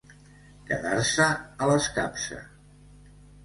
Quedar-se a l'escapça.